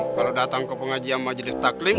kalo dateng ke pengajian majelis taklim